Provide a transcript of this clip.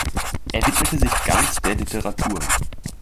Er widmete sich ganz der Literatur.